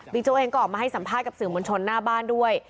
โจ๊กเองก็ออกมาให้สัมภาษณ์กับสื่อมวลชนหน้าบ้านด้วย